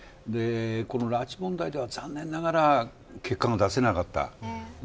この拉致問題では残念ながら結果が出せなかった。